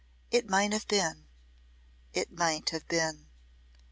It might have been it might have been."